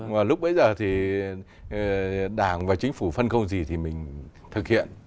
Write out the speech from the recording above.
và lúc bây giờ thì đảng và chính phủ phân công gì thì mình thực hiện